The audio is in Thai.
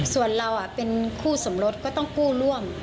ส่วนเราเป็นคู่สมรสก็ต้องกู้ร่วม